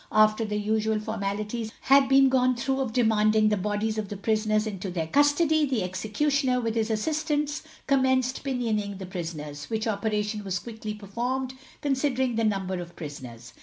After the usual formalities had been gone through of demanding the bodies of the prisoners into their custody, the executioner, with his assistants, commenced pinioning the prisoners, which operation was quickly performed, considering the number of prisoners.